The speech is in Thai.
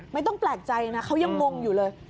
ไม่ต้องแปลกใจนะเขายังงงอยู่เลย